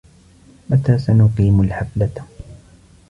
متى سنقيم الحفلة ؟